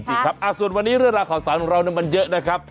จริงครับส่วนวันนี้เรื่องราวข่าวสารของเรามันเยอะนะครับ